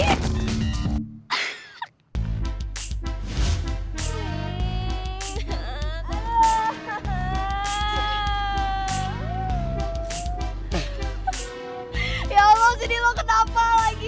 ya allah jadi lo ketapa lagi